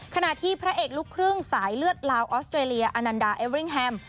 ขณะที่พระเอกลูกครึ่งสายเลือดลาวออสเตรเลียอนันดาเอเวริ่งแฮม